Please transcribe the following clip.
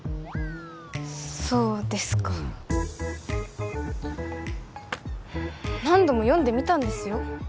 そうですか何度も読んでみたんですよ